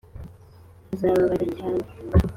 azababara cyane